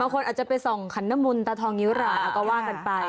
บางคนอาจจะไปส่องขันนมุนตาทองิ้วหลานเอากระว่างกันไป